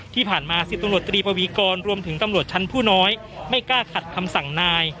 ที่ผ่านมา๑๐ตำรวจตรีปวีกรรวมถึงตำรวจชั้นผู้น้อยไม่กล้าขัดคำสั่งนาย